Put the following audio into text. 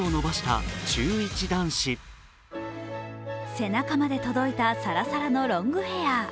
背中まで届いたサラサラのロングヘアー。